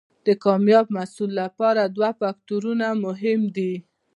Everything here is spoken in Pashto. د کامیاب محصل لپاره دوه فکتورونه مهم دي.